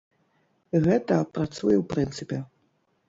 Гэта працуе ў прынцыпе.